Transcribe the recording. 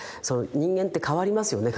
人間って変わりますよね